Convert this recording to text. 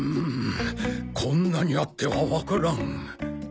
こんなにあってはわからん。